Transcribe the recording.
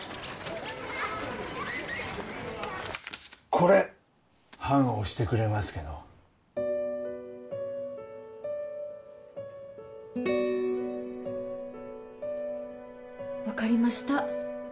・これ判押してくれますけのう分かりました